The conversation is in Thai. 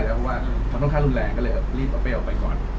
เพราะว่ามันค่อนข้างรุนแรงก็เลยรีบเอาเป้ออกไปก่อน